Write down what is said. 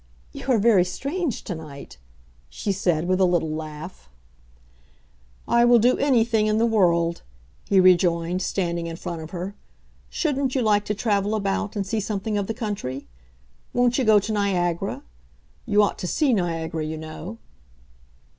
"You are very strange tonight," she said, with a little laugh. "I will do anything in the world," he rejoined, standing in front of her. "Shouldn't you like to travel about and see something of the country? Won't you go to Niagara? You ought to see Niagara, you know."